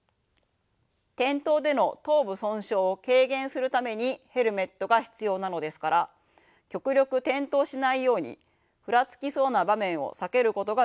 転倒での頭部損傷を軽減するためにヘルメットが必要なのですから極力転倒しないようにふらつきそうな場面を避けることが重要です。